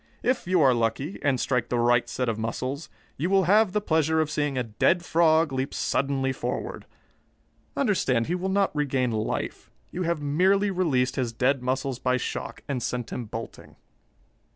If you are lucky, and strike the right set of muscles, you will have the pleasure of seeing a dead frog leap suddenly forward. Understand, he will not regain life. You have merely released his dead muscles by shock, and sent him bolting."